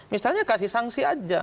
misalnya kasih sanksi aja